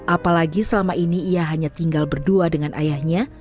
apalagi selama ini ia hanya tinggal berdua dengan ayahnya